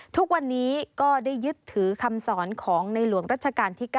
ทุกวันนี้ก็ได้ยึดถือคำสอนของในหลวงรัชกาลที่๙